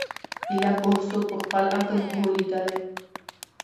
ایله پوه سو په خپل عقل غولیدلی